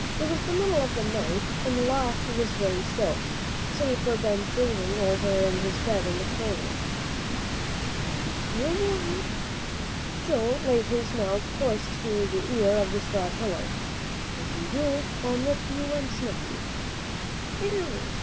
It was the middle of the night, and the loft was very still, save for Ben's breathing over in his bed in the corner. "Don't say a word!" Joel laid his mouth close to the ear on the straw pillow; "if you do, I'll nip you and snip you."